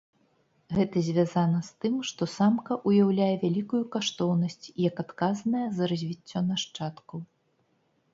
Гэта звязана з тым, што самка ўяўляе вялікую каштоўнасць як адказная за развіццё нашчадкаў.